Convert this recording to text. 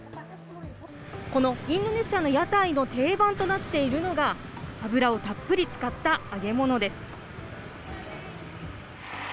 このインドネシアの屋台の定番となっているのが、油をたっぷり使った揚げ物です。